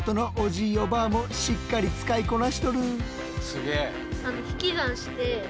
すげえ。